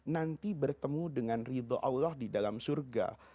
nanti bertemu dengan ridho allah di dalam surga